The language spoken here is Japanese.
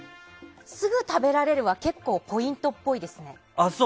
すぐ食べられるは結構ポイントっぽいですね。